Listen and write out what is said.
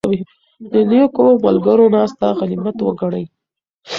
د نېکو ملګرو ناسته غنیمت وګڼئ.